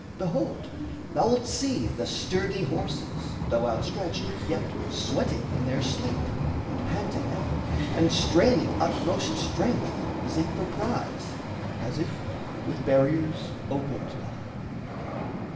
Behold, Thou'lt see the sturdy horses, though outstretched, Yet sweating in their sleep, and panting ever, And straining utmost strength, as if for prize, As if, with barriers opened now...